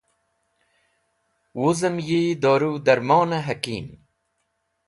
Wuzem yi Doruw Darmone Hakeem